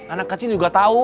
anak kecil juga tau